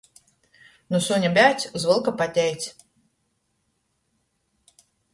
Nu suņa bēdz, iz vylka pateic.